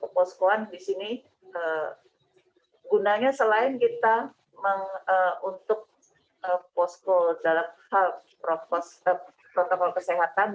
jadi poskoan di sini gunanya selain kita untuk posko dalam hal protokol kesehatan